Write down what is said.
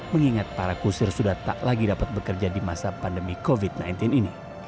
mengingat para kusir sudah tak lagi dapat bekerja di masa pandemi covid sembilan belas ini